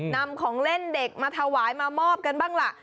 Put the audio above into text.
นำของเล่นเด็กมาถวายมามอบกันบ้างล่ะ